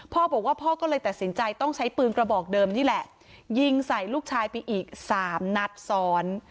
พ่อบอกว่าพ่อก็เลยตัดสินใจต้องใช้ปืนกระบอกเดิมนี่แหละยิงใส่ลูกชายไปอีกสามนัดซ้อน